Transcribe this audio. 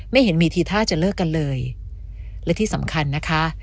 เห็นมีทีท่าจะเลิกกันเลยและที่สำคัญนะคะ